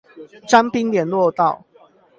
彰濱聯絡道